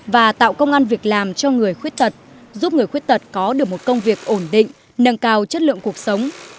và tạo công an việc làm cho người khuyết tật giúp người khuyết tật có được một công việc ổn định nâng cao chất lượng cuộc sống